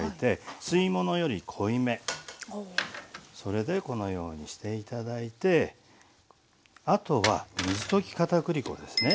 それでこのようにして頂いてあとは水溶きかたくり粉ですね